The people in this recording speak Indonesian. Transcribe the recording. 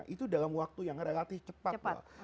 itu dalam waktu yang relatif cepat loh